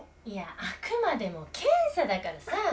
いやあくまでも検査だからさ。